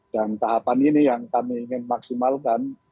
dan tahapan ini yang kami ingin maksimalkan